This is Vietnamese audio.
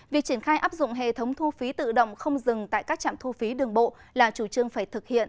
việc triển khai áp dụng hệ thống thu phí tự động không dừng tại các trạm thu phí đường bộ là chủ trương phải thực hiện